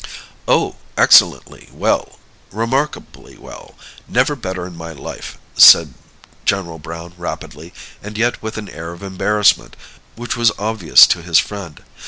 "Oh, excellently well! remarkably well! never better in my life," said General Browne rapidly, and yet with an air of embarrassment which was obvious to his friend.